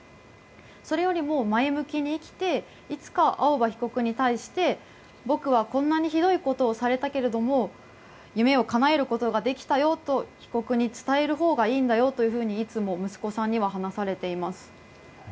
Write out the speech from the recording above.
それよりも前向きに生きていつか青葉被告に対して僕はこんなにひどいことをされたけれども夢をかなえることができたよと被告に伝えるほうがいいんだよというふうにいつも息子さんには話されています。